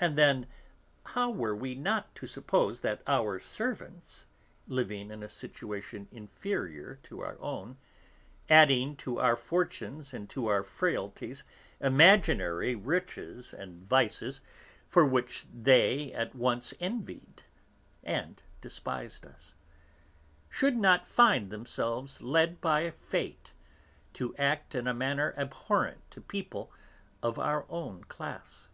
And then, how were we not to suppose that our servants, living in a situation inferior to our own, adding to our fortunes and to our frailties imaginary riches and vices for which they at once envied and despised us, should not find themselves led by fate to act in a manner abhorrent to people of our own class?